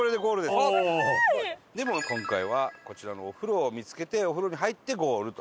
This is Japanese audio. でもう今回はこちらのお風呂を見つけてお風呂に入ってゴールと。